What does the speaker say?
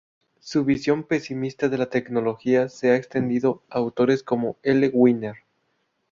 Su visión pesimista de la tecnología se ha extendido a autores como L. Winner.